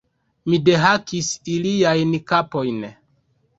Mi dehakis iliajn kapojn!